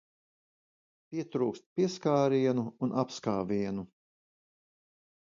Pietrūkst pieskārienu un apskāvienu.